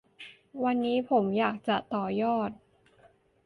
วันนี้ผมอยากจะต่อยอด